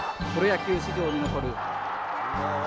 プロ野球史上に残る。